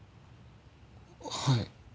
はい。